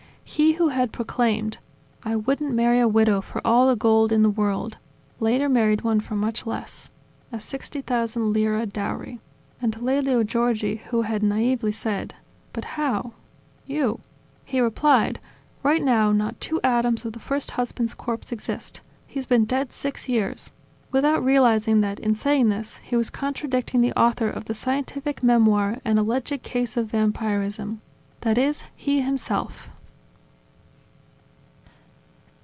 He who had proclaimed: "I wouldn't marry a widow for all the gold in the world" later married one for much less, a 60,000 lira dowry! And to Lelio Giorgi, who had naively said: "But how? ... You! ...", he replied: "Right now not two atoms of the first husband's corpse exist. He's been dead six years!," without realizing that, in saying this, he was contradicting the author of the scientific memoir An Alleged Case of Vampirism, that is, he himself.